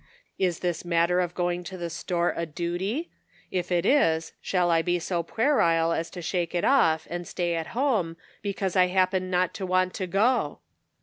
Is this matter of going to the store a duty ? If it is, shall I be so puerile as to shake it off, and stay at home, because I happen not to want to go